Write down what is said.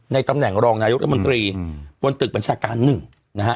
ตำแหน่งรองนายกรัฐมนตรีบนตึกบัญชาการหนึ่งนะฮะ